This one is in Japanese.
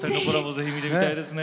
ぜひ見たいですね。